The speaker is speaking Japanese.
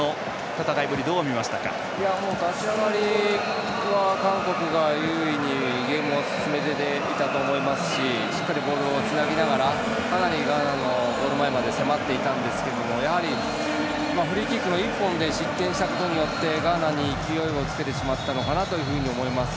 立ち上がりは韓国が優位にゲームを進めていたと思いますししっかりボールをつなぎながらかなりガーナのゴール前まで迫っていたんですけれどもやはりフリーキックの１本で失点したことによってガーナに勢いをつけてしまったのかなというふうに思います。